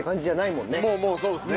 もうもうそうですね。